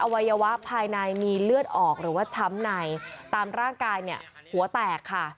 วัยวะภายในมีเลือดออกหรือว่าช้ำในตามร่างกายเนี่ยหัวแตกค่ะ